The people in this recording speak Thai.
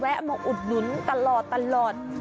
มาอุดหนุนตลอด